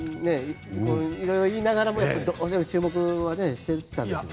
いろいろ言いながらも注目しているんですね。